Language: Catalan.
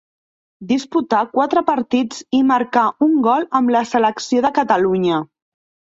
Disputà quatre partits i marcà un gol amb la selecció de Catalunya.